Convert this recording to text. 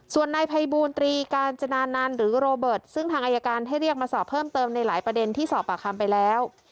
ส่วนนายภัยบูรตรีกาญจนานันต์หรือโรเบิร์ตซึ่งทางอายการให้เรียกมาสอบเพิ่มเติมในหลายประเด็นที่สอบปากคำไปแล้ว